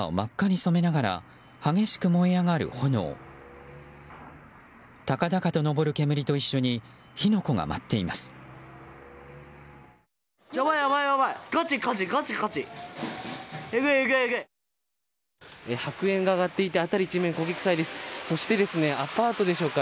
そしてアパートでしょうか。